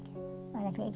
saya ingin menjaga kerja